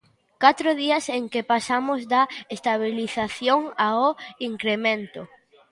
Catro días en que pasamos da estabilización ao incremento.